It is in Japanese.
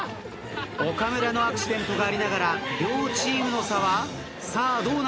岡村のアクシデントがありながら両チームの差はさあどうなんだ？